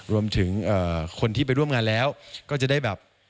รวมถึงคนที่ไปร่วมงานแล้วก็จะได้แบบ